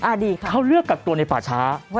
ดีค่ะเขาเลือกกักตัวในป่าช้า